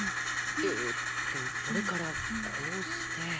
えーっとそれからこうして。